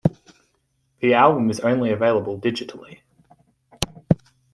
The album is only available digitally.